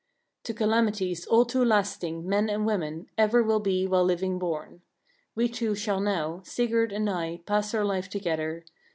14. To calamities all too lasting men and women, ever will be while living born. We two shall now, Sigurd and I pass our life together.